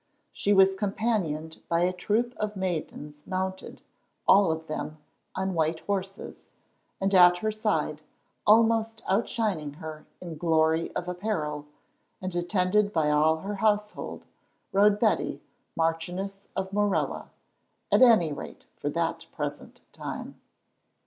She was companioned by a troop of maidens mounted, all of them, on white horses, and at her side, almost outshining her in glory of apparel, and attended by all her household, rode Betty, Marchioness of Morella—at any rate for that present time.